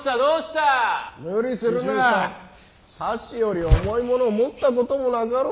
箸より重いもの持ったこともなかろうに！